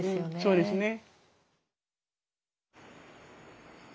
そうですね。